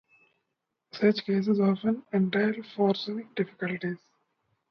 Such cases often entail forensic difficulties.